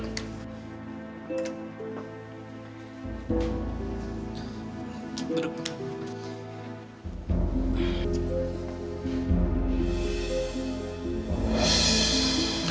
oh sign rekan masuk